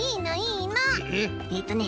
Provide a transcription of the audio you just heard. えっとね